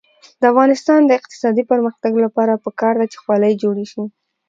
د افغانستان د اقتصادي پرمختګ لپاره پکار ده چې خولۍ جوړې شي.